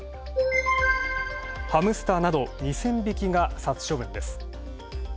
ハムスターなど２０００匹が殺処分です。